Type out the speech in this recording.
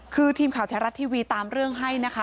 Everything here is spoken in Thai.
คือทีมข่าวไทยรัฐทีวีตามเรื่องให้นะคะ